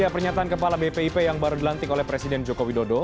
pernyataan kepala bpip yang baru dilantik oleh presiden joko widodo